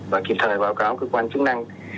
và kịp thời báo cáo cơ quan chức năng